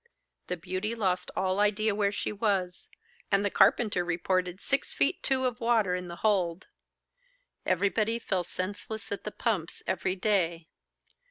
'The Beauty' lost all idea where she was, and the carpenter reported six feet two of water in the hold. Everybody fell senseless at the pumps every day.